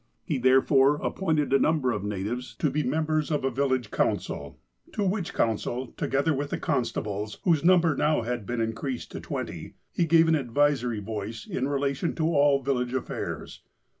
He, therefore, appointed a number of natives to be members of a village council, to which council, together with the constables, whose num ber now had been increased to twenty, he gave an advisory voice in relation to all village affairs.